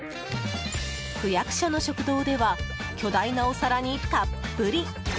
区役所の食堂では巨大なお皿にたっぷり！